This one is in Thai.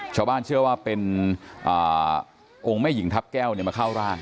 ชาวบ้านเชื่อว่าเป็นองค์แม่หญิงทัพแก้วมาเข้าร่าง